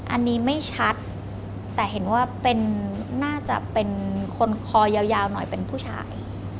อันนี้ไม่ชัดแต่เห็นว่าน่าจะเป็นคนคอยาวหน่อยเป็นผู้ชาย